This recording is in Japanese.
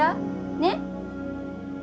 ねっ。